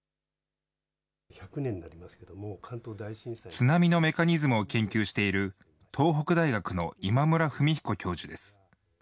津波のメカニズムを研究している、東北大学の今村文彦教授です。